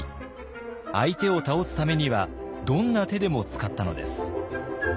相手を倒すためにはどんな手でも使ったのです。